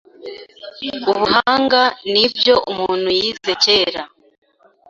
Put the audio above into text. ubuhanga n’ibyo umuntu yize kera